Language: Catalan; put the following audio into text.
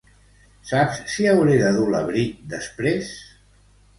Saps si hauré de dur l'abric després?